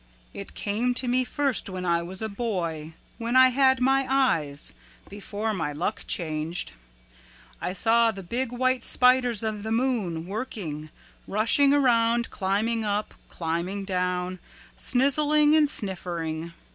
"It came to me first when I was a boy, when I had my eyes, before my luck changed. I saw the big white spiders of the moon working, rushing around climbing up, climbing down, snizzling and sniffering.